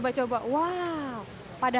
barang barang yang dibawa